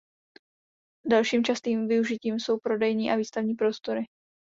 Dalším častým využitím jsou prodejní a výstavní prostory.